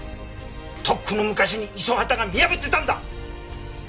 とっくの昔に五十畑が見破ってたんだ！